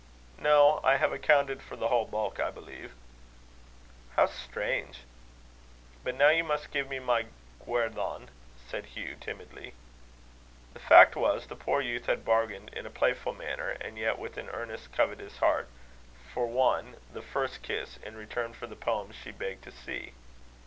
"No. I have accounted for the whole bulk, I believe." "How strange!" "But now you must give me my guerdon," said Hugh timidly. The fact was, the poor youth had bargained, in a playful manner, and yet with an earnest, covetous heart, for one, the first kiss, in return for the poems she begged to see.